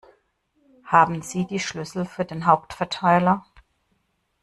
Haben Sie die Schlüssel für den Hauptverteiler?